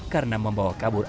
karena membawa kabur